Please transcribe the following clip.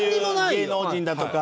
芸能人だとか。